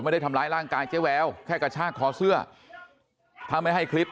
ไม่ได้ทำร้ายร่างกายเจ๊แววแค่กระชากคอเสื้อถ้าไม่ให้คลิป